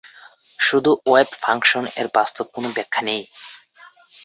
শুধু wave function এর বাস্তব কোন ব্যাখ্যা নেই।